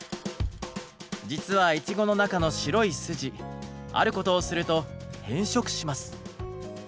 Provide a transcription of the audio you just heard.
実はイチゴの中の白い筋あることをすると変色します。